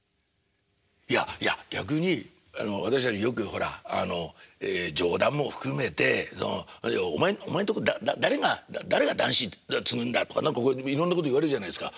いやいや逆に私はよくほら冗談も含めて「お前んとこ誰が誰が談志継ぐんだ？」とかいろんなこと言われるじゃないですか。